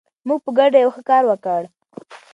موږ په ګډه یو ښه کار وکړ.